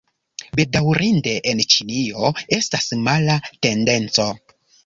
Bedaŭrinde, en Ĉinio estas mala tendenco.